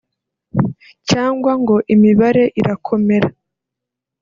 cyangwa ngo imibare irakomera